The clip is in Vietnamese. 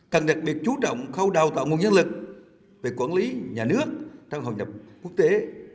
cần đặc biệt chú trọng khâu đào tạo nguồn nhân lực về quản lý nhà nước trong hội nhập quốc tế